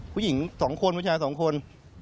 ผู้หญิง๒คนผู้ชาย๒คน